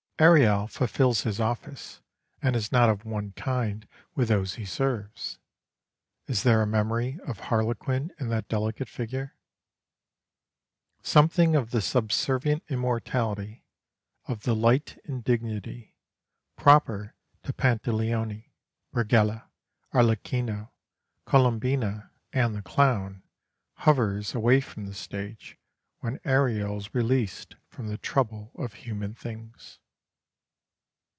Ariel fulfils his office, and is not of one kind with those he serves. Is there a memory of Harlequin in that delicate figure? Something of the subservient immortality, of the light indignity, proper to Pantaleone, Brighella, Arlecchino, Colombina, and the Clown, hovers away from the stage when Ariel is released from the trouble of human things.